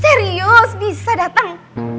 serius bisa datang